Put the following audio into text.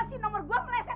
tidur tidur tidur